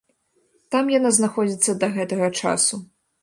Там яна знаходзіцца да гэтага часу.